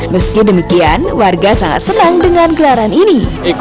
meski demikian warga sangat senang dengan gelaran ini